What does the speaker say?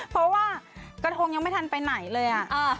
เพราะว่ากระทงยังไม่ทันไปไหนเลย